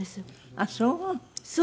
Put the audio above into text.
あっそう！